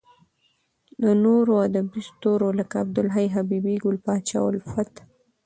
د نورو ادبې ستورو لکه عبد الحی حبیبي، ګل پاچا الفت .